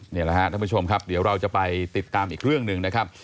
นี่แหละครับท่านผู้ชมครับเดี๋ยวเราจะไปติดตามอีกเรื่องหนึ่งนะครับ